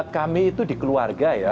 kami itu dikeluarga ya